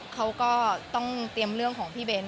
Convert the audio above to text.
เขาก็ต้องเตรียมเรื่องของพี่เบ้น